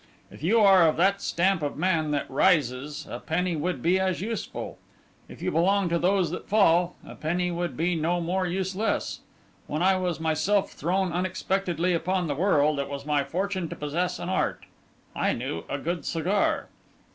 If you are of that stamp of man that rises, a penny would be as useful; if you belong to those that fall, a penny would be no more useless. When I was myself thrown unexpectedly upon the world, it was my fortune to possess an art: I knew a good cigar.